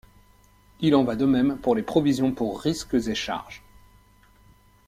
Il en va de même pour les provisions pour risques et charges.